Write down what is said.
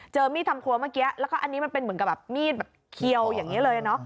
เจอมีดทำครัวเมื่อกี้นี่มันเหมือนกับมีดแบบเคียวอย่างนี้เลยเนอะ